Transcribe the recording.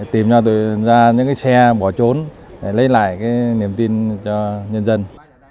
tìm ra những xe bỏ trốn để lấy lại niềm tin cho nhân dân